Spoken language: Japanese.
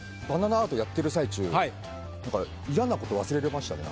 アートやってる最中なんか嫌なこと忘れられましたね